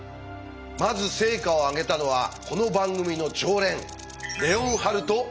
まず成果を上げたのはこの番組の常連レオンハルト・オイラーです。